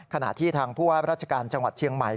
ขณะที่ทางผู้ว่าราชการจังหวัดเชียงใหม่